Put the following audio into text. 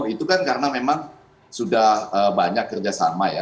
itu kan karena memang sudah banyak kerjasama ya